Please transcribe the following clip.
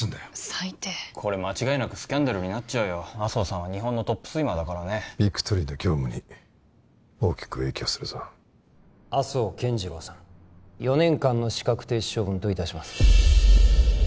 裁定これ間違いなくスキャンダルになっちゃうよ麻生さんは日本のトップスイマーだからねビクトリーの業務に大きく影響するぞ麻生健次郎さん４年間の資格停止処分といたします